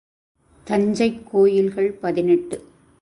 தஞ்சைக் கோயில்கள் பதினெட்டு .